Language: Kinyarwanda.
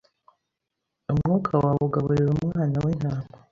Umwuka wawe ugaburira umwana wintama